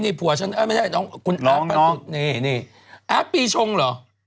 นี่ผัวฉันอ้าไม่ใช่คุณอาร์ดประสุทธิ์อ้าวน้องน้องอ้าวปีชงเหรอ